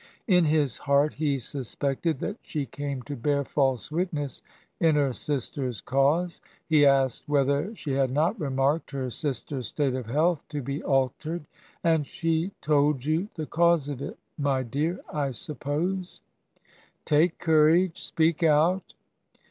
In his heart he suspected that she came to bear false witness in her sister's cause. ... He asked whether she had not remarked her sister's state of health to be altered. 'And she told you the cause of it, my dear, I suppose? ... Take courage, — speak out.'